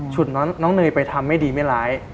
น้องเนยไปทำไม่ดีไม่ร้าย